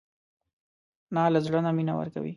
انا له زړه نه مینه ورکوي